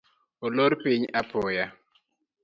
Olor piny apoya